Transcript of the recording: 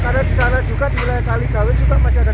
karena di sana juga di wilayah saligawi juga masih ada